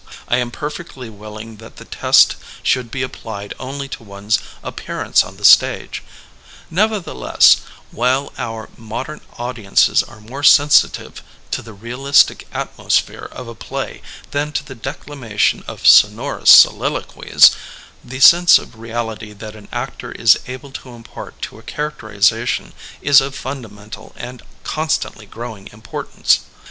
I am per fectly willing that the test should be applied only to one 's appearance on the stage ; nevertheless, while our modern audiences are more sensitive to the real istic atmosphere of a play than to the declamation of sonorous soliloquies, the sense of reality that an actor is able to impart to a characterization is of funda mental and constantly growing importance.